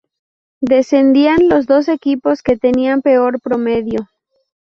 Descendían los dos equipos que tenían peor promedio.